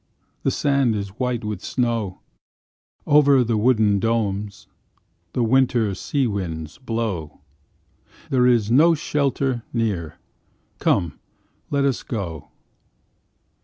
The sand is white with snow, Over the wooden domes The winter sea winds blow There is no shelter near, Come, let us go.